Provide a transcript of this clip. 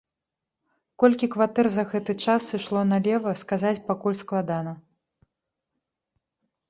Колькі кватэр за гэты час сышло налева, сказаць пакуль складана.